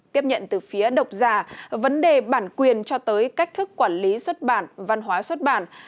tiếp nhận từ phía độc giả vấn đề bản quyền cho tới cách thức quản lý xuất bản văn hóa xuất bản